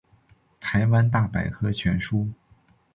台湾大百科全书